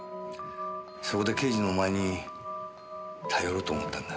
それで刑事のお前に頼ろうと思ったんだ。